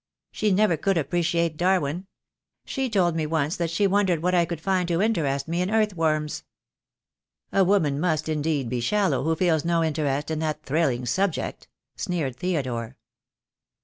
"She never could appreciate Darwin. She told me once THE DAY WILL COME. 1 45 that she wondered what I could find to interest me in earth worms." "A woman must, indeed, be shallow who feels no interest in that thrilling subject," sneered Theodore.